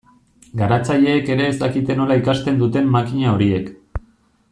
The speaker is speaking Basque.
Garatzaileek ere ez dakite nola ikasten duten makina horiek.